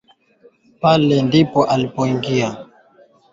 Mapele hutokea katika maeneo mbalimbali ya ngozi ya ngombe